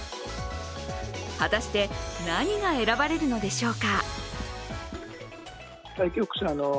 果たして何が選ばれるのでしょうか。